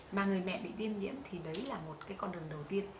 mà người mẹ bị viêm nhiễm thì đấy là một cái con đường đầu tiên